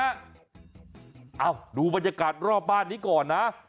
เอ้าดูบรรยากาศรอบบ้านนี้ก่อนนะ